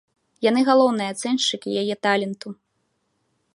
Яны галоўныя ацэншчыкі яе таленту.